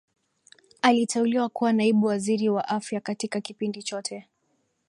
Aliteuliwa kuwa naibu waziri wa afya katika kipindi chote